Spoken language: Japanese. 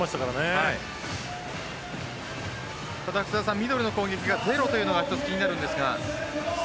ミドルの攻撃がゼロというのが気になるんですが。